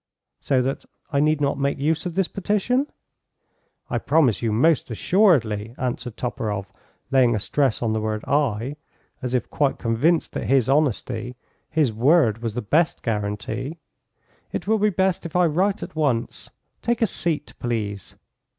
"So that I need not make use of this petition?" "I promise you most assuredly," answered Toporoff, laying a stress on the word I, as if quite convinced that his honesty, his word was the best guarantee. "It will be best if I write at once. Take a seat, please."